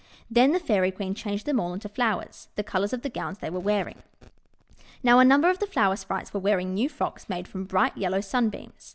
Then the Fairy Queen changed them all into flowers, the colours of the gowns they were wearing. Now, a number of the Flower Sprites were wearing new frocks made of bright yellow Sun beams.